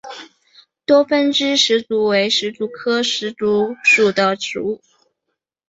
多分枝石竹为石竹科石竹属的植物。